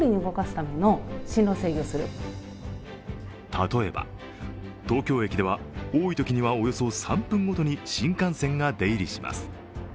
例えば東京駅では多いときにはおよそ３分ごとに新幹線が出入りします。